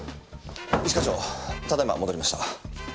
一課長ただ今戻りました。